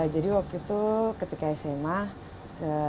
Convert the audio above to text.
jadi waktu itu ketika saya belajar